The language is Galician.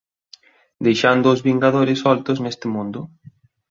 deixando aos Vingadores soltos neste mundo.